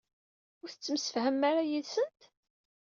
Ur tettemsefhamem ara yid-sent?